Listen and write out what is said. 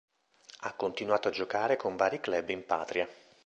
Ha continuato a giocare con vari club in patria.